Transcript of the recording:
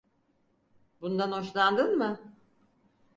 Bundan hoşlandın mı?